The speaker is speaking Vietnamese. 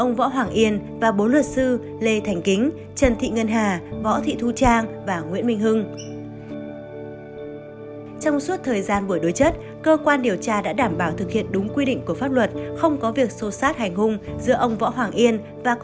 ngoài ra võ hoàng yên còn là giám đốc công ty cổ phần phú bình yên